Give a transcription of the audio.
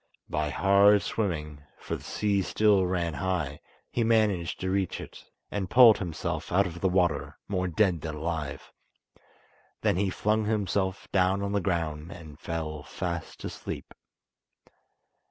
By hard swimming, for the sea still ran high, he managed to reach it, and pulled himself out of the water, more dead than alive. Then he flung himself down on the ground and fell fast asleep.